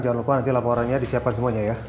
jangan lupa nanti laporannya disiapkan semuanya ya